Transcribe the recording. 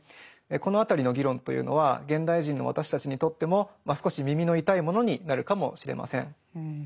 この辺りの議論というのは現代人の私たちにとっても少し耳の痛いものになるかもしれません。